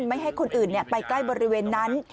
ไม่ให้คนอื่นไปใกล้บริเวณนั้น